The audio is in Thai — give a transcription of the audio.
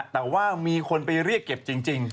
แต่ว่ามีคนไปเรียกเก็บจริง